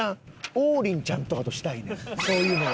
王林ちゃんとかとしたいねんそういうのは。